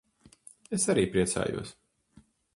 Es arī priecājos.